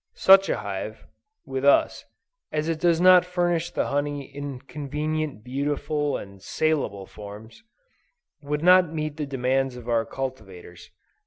Such a hive, with us, as it does not furnish the honey in convenient, beautiful and salable forms, would not meet the demands of our cultivators.